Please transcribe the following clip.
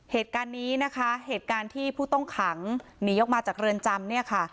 เหตุการณ์นี้นะคะเหตุการณ์ที่ผู้ต้องขังหนีออกมาจากเรือนจำเนี่ยค่ะ